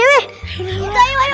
aduh ini kemana